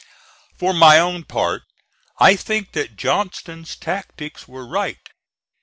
For my own part, I think that Johnston's tactics were right.